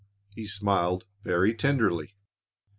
He smiled very tenderly.